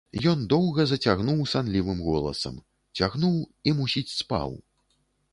Ён доўга зацягнуў санлівым голасам, цягнуў і, мусіць, спаў.